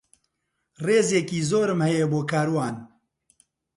ڕێزێکی زۆرم هەیە بۆ کاروان.